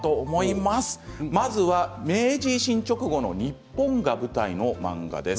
まずは明治維新直後の日本が舞台の漫画です。